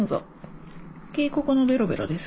警告のベロベロです。